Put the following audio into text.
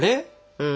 うん。